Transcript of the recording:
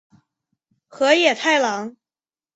河野太郎。